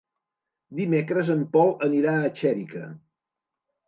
Dimecres en Pol anirà a Xèrica.